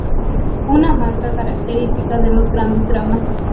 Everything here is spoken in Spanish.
Una marca característica de los grandes dramas.